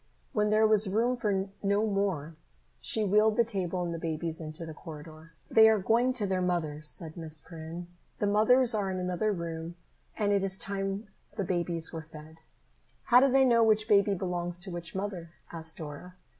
When there was room for no more, she wheeled the table and the babies into the corridor. "They are going to their mothers," said Miss Perrin. "The mothers are in another room and it is time the babies were fed." "How do they know which baby belongs to which mother?" asked Dora.